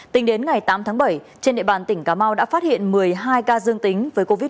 tính đến ngày tám tháng bảy trên địa bàn tỉnh cà mau đã phát hiện một mươi hai ca dương tính với covid một mươi chín